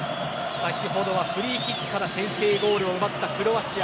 先ほどはフリーキックから先制ゴールを奪ったクロアチア。